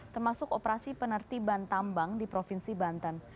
termasuk operasi penertiban tambang di provinsi banten